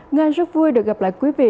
ngoan rất vui được gặp lại quý vị